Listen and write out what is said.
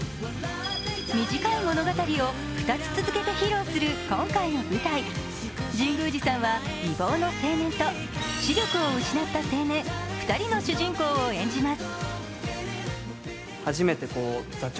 短い物語を２つ続けて披露する今回の舞台、神宮寺さんは美貌の青年と視力を失った青年、２人の主人公を演じます。